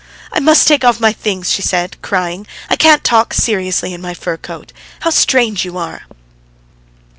"I must take off my things!" she said, crying. "I can't talk seriously in my fur coat! How strange you are!"